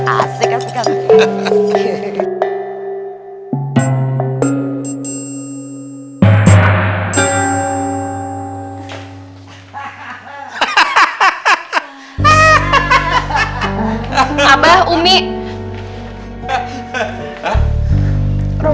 asik kan asik kan